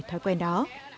đổi thói quen đó